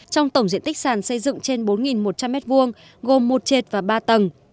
trong tổng diện tích sàn xây dựng trên bốn một trăm linh m hai gồm một trệt và ba tầng